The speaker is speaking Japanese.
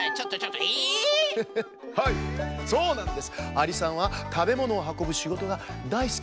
アリさんはたべものをはこぶしごとがだいすき。